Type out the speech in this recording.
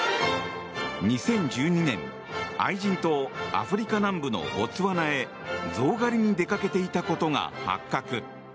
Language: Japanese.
２０１２年、愛人とアフリカ南部のボツワナへゾウ狩りに出かけていたことが発覚。